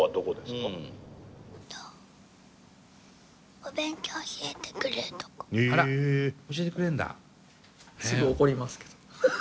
すぐ怒りますけど。